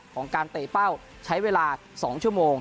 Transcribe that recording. ของการเตะเป้าใช้เวลา๒ชั่วโมง